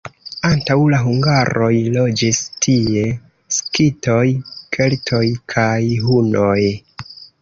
Antaŭ la hungaroj loĝis tie skitoj, keltoj kaj hunoj.